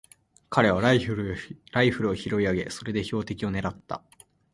彼はライフルを拾い上げ、それで標的をねらった。